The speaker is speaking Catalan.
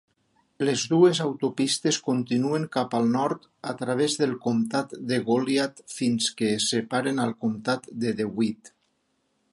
Les dues autopistes continuen cap al nord a través del comtat de Goliad fins que es separen al comtat de DeWitt.